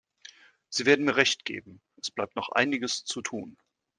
Sie werden mir recht geben, es bleibt noch einiges zu tun.